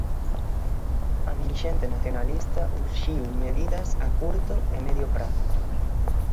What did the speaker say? A dirixente nacionalista urxiu medidas a curto e medio prazo.